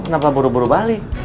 kenapa buru buru balik